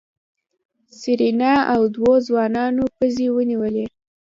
سېرېنا او دوو ځوانانو پزې ونيولې.